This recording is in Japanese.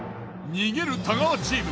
逃げる太川チーム。